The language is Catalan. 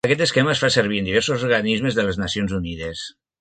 Aquest esquema es fa servir en diversos organismes de les Nacions Unides.